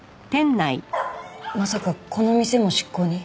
まさかこの店も執行に？